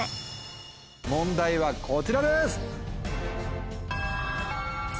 問題はこちらです！